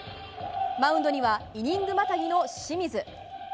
マウンドにはイニングまたぎの清水。